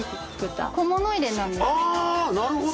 ◆なるほど。